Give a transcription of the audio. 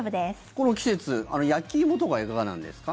この季節焼き芋とかはいかがなんですか？